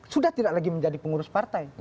sudah tidak lagi menjadi pengurus partai